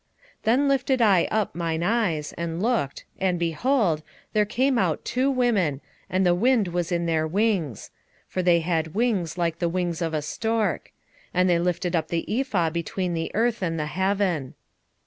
5:9 Then lifted I up mine eyes, and looked, and, behold, there came out two women, and the wind was in their wings; for they had wings like the wings of a stork: and they lifted up the ephah between the earth and the heaven.